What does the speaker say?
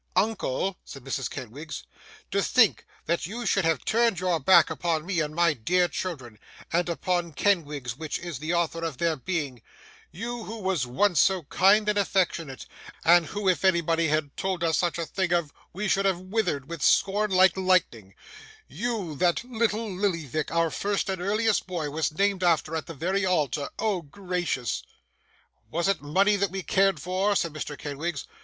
'Uncle,' said Mrs. Kenwigs, 'to think that you should have turned your back upon me and my dear children, and upon Kenwigs which is the author of their being you who was once so kind and affectionate, and who, if anybody had told us such a thing of, we should have withered with scorn like lightning you that little Lillyvick, our first and earliest boy, was named after at the very altar! Oh gracious!' 'Was it money that we cared for?' said Mr. Kenwigs.